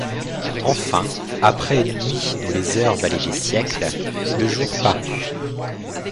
Enfin, après une nuit dont les heures valaient des siècles, le jour parut.